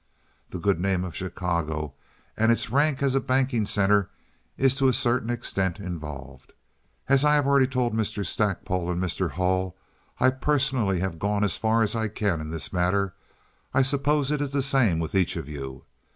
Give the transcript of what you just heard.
The good name of Chicago and its rank as a banking center is to a certain extent involved. As I have already told Mr. Stackpole and Mr. Hull, I personally have gone as far as I can in this matter. I suppose it is the same with each of you.